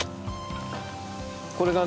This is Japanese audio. これがね